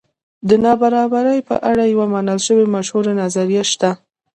د نابرابرۍ په اړه یوه منل شوې مشهوره نظریه شته.